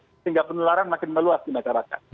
sehingga penularan makin meluas di masyarakat